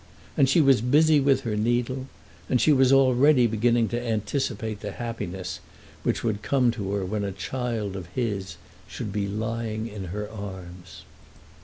And she was busy with her needle. And she already began to anticipate the happiness which would come to her when a child of his should be lying in her arms.